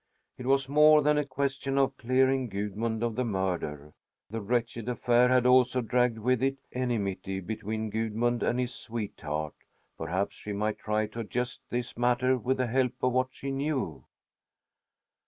It was more than a question of clearing Gudmund of the murder; the wretched affair had also dragged with it enmity between Gudmund and his sweetheart. Perhaps she might try to adjust this matter with the help of what she knew.